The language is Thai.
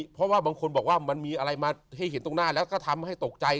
เพราะว่าบางคนบอกว่ามันมีอะไรมาให้เห็นตรงหน้าแล้วก็ทำให้ตกใจ